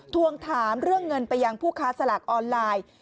ทวงถามเรื่องเงินไปยังผู้ค้าสลากออนไลน์